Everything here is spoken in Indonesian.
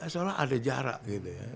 seolah ada jarak gitu ya